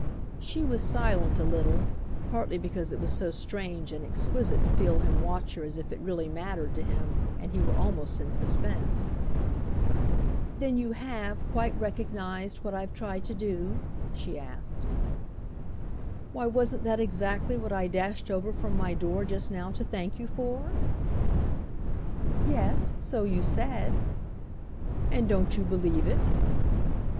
She was silent a little, partly because it was so strange and exquisite to feel him watch her as if it really mattered to him and he were almost in suspense. "Then you have quite recognised what I've tried to do?" she asked. "Why, wasn't that exactly what I dashed over from my door just now to thank you for?" "Yes; so you said." "And don't you believe it?"